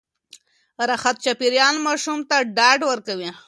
راحت چاپېريال ماشوم ته ډاډ ورکوي.